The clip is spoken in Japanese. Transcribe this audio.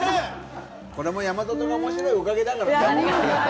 これも山里が面白いおかげだからな！